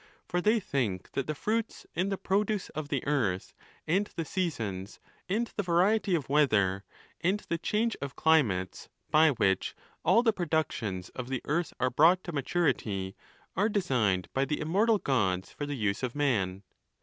For they think that the fruits, and the produce of the earth, and the seasons, and the variety of vi^eather, and the change of climates, by which all the productions of the earth are brought to maturity, are designed by the immortal Gods for the use of man.